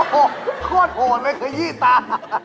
โอ้โฮโฮดโหดไม่เคยยี่ตา